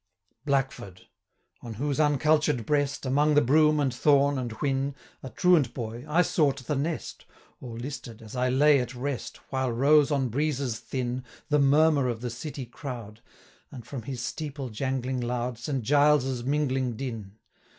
Blackford! on whose uncultured breast, Among the broom, and thorn, and whin, A truant boy, I sought the nest, Or listed, as I lay at rest, While rose, on breezes thin, 505 The murmur of the city crowd, And, from his steeple jangling loud, Saint Giles's mingling din.